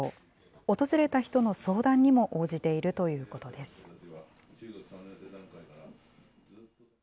訪れた人の相談にも応じているということです。